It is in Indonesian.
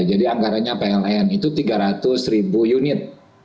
jadi anggarannya apln itu tiga ratus unit